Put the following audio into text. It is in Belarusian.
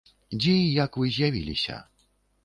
Дзе і як вы з'явіліся?